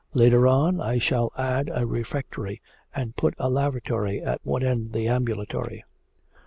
Later on I shall add a refectory, and put a lavatory at one end of the ambulatory.'